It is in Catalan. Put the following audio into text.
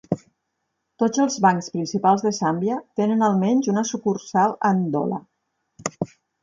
Tots els bancs principals de Zàmbia tenen almenys una sucursal a Ndola.